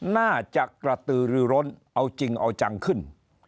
น่าจะกระตือรือร้นเอาจริงเอาจังขึ้น